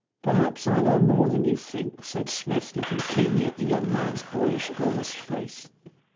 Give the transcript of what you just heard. "Perhaps I know more than you think," said Smith, looking keenly at the young man's boyish, earnest face.